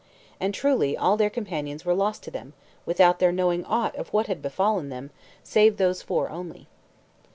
And truly all their companions were lost to them, without their knowing aught of what had befallen them, save those four only.